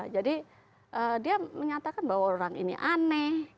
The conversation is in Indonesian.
jadi dia menyatakan bahwa orang ini aneh